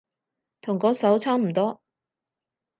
同嗰首差唔多